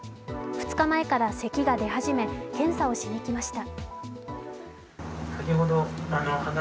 ２日前からせきが出始め、検査をしに来ました。